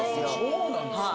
そうなんですね。